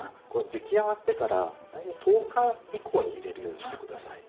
出来上がってから大体１０日以降に入れるようにして下さい。